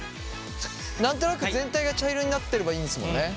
何となく全体が茶色になってればいいんですもんね。